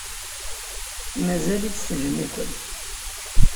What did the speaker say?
Mazal-itt tejjem-iken.